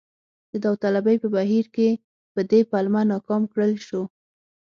د داوطلبۍ په بهیر کې په دې پلمه ناکام کړل شو.